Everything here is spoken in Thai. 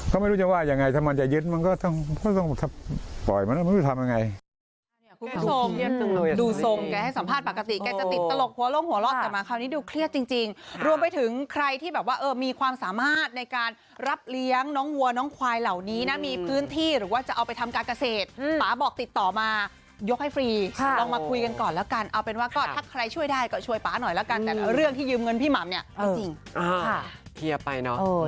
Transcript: ก็ไม่รู้จะว่ายังไงถ้ามันจะยึดมันก็ต้องปล่อยมันต้องไม่รู้ทำยังไง